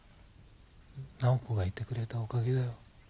菜穂子がいてくれたおかげだよ。